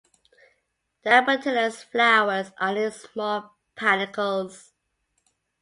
The apetalous flowers are in small panicles.